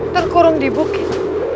terkurung di bukit